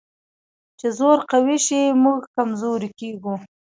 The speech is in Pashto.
چې زور قوي شي، موږ کمزوري کېږو.